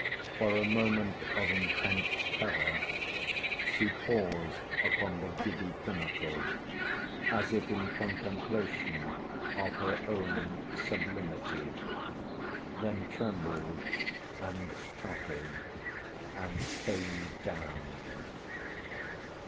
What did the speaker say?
For a moment of intense terror she paused upon the giddy pinnacle, as if in contemplation of her own sublimity, then trembled and tottered, and—came down.